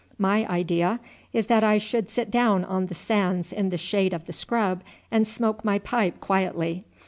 My idea is that I should sit down on the sands in the shade of the scrub and smoke my pipe quietly.